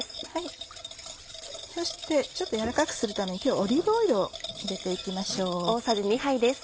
ちょっとやわらかくするために今日はオリーブオイルを入れて行きましょう。